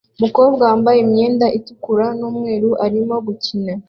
Umukobwa wambaye imyenda itukura numweru arimo gukina